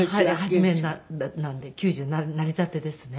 初めなんで９０になりたてですね。